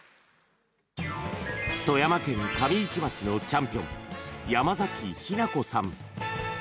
富山県上市町のチャンピオン山崎ひな子さん。